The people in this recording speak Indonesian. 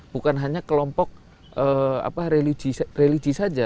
bukan hanya kelompok religi saja